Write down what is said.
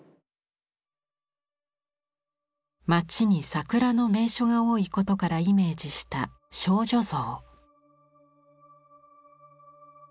街に桜の名所が多いことからイメージした少女像。